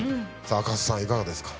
赤楚さんいかがですか？